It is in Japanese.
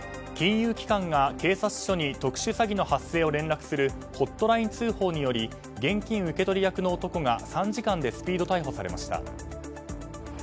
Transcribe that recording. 金融機関が警察署に特殊詐欺の発生を連絡するホットライン通報により現金受け取り役の男が３時間でスピード逮捕されました。